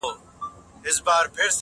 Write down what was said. یوازې حمزه د هنري ښکلا لپاره